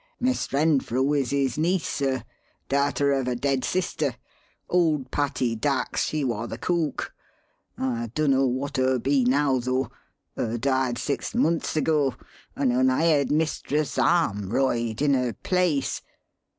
"Miss Renfrew is his niece, sir darter of a dead sister. Old Patty Dax, she war the cook. I dunno what her be now, though her died six months ago and un hired Mistress Armroyd in her place.